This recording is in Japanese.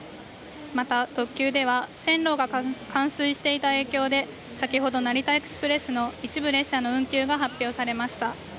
また、特急では線路が冠水していた影響で先ほど成田エクスプレスの一部列車の運休が発表されました。